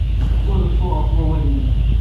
Ur reffu ɣef wawal-nnes.